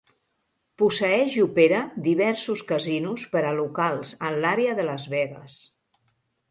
Posseeix i opera diversos casinos per a locals en l'àrea de Las Vegas.